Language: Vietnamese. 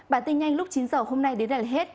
bản tin nhanh lúc chín h hôm nay đến đây là hết